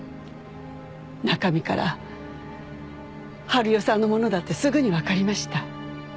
中身から治代さんのものだってすぐに分かりました。